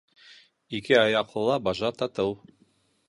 Ике аяҡлыла бажа татыу